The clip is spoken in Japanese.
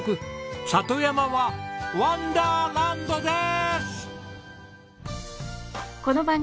里山はワンダーランドです！